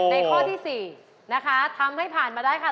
ข้อที่๔นะคะทำให้ผ่านมาได้ค่ะ